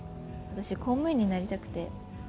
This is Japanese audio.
私公務員になりたくて。